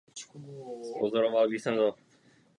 Je centrem arrondissementu Die.